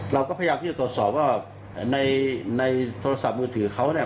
เราก็พยายามที่จะตรวจสอบว่าในโทรศัพท์มือถือเขาเนี่ย